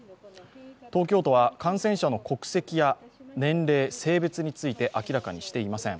東京都は感染者の国籍や年齢性別について、明らかにしてません。